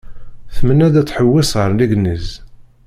Tmenna-d ad tḥewwes ar Legniz.